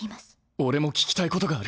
俺も聞きたいことがある。